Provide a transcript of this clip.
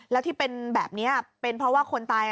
แล้วที่เป็นแบบนี้เป็นเพราะว่าคนตาย